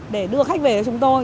để đưa khách về cho chúng tôi